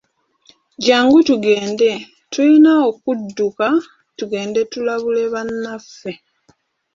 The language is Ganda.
Jangu tugende, tulina okudduka tugende tulabule bannaffe.